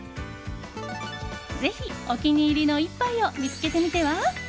ぜひ、お気に入りの一杯を見つけてみては？